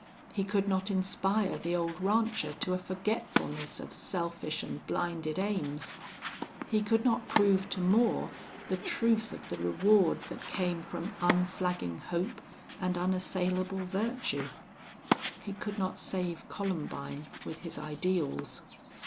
He could not inspire the old rancher to a forgetfulness of selfish and blinded aims. He could not prove to Moore the truth of the reward that came from unflagging hope and unassailable virtue. He could not save Columbine with his ideals.